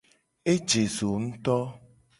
Eje zo ngto.